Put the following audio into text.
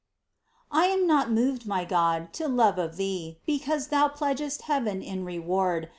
I AM not moved, my God, to love of Thee Because Thou pledgest heaven in reward.